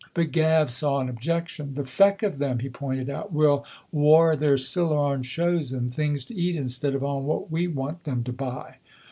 But Gav saw an objection. "The feck of them," he pointed out, "will waur their siller on shows and things to eat, instead of on what we want them to buy."